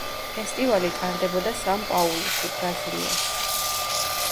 ფესტივალი ტარდებოდა სან-პაულუში, ბრაზილია.